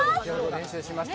練習しました。